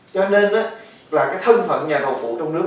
cho nên là cái thân phận nhà thầu phụ trong nước